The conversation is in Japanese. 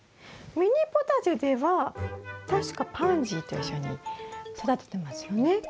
ミニポタジェでは確かパンジーと一緒に育ててますよね。